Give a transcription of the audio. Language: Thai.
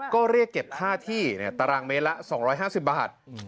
ก็เรียกเก็บค่าที่ตารางเมตรละ๒๕๐บาท